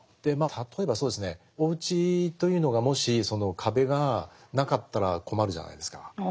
例えばそうですねお家というのがもしその壁がなかったら困るじゃないですか。